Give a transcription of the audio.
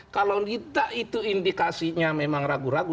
kalau tidak itu indikasinya memang ragu ragu